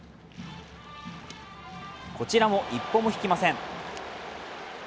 こちらも一歩も引きません。